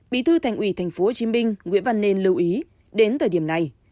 bí thư thành ủy tp hcm nguyễn văn nên lưu ý đến thời điểm này